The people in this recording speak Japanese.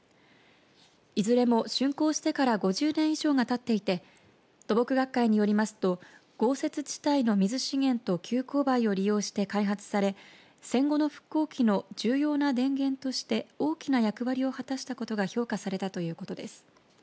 いずれも竣工してから５０年以上がたっていて土木学会によりますと豪雪地帯の水資源と急勾配を利用して開発され戦後の復興期の重要な電源として大きな役割を果たしたことが評価されたということです。